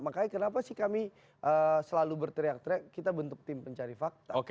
makanya kenapa sih kami selalu berteriak teriak kita bentuk tim pencari fakta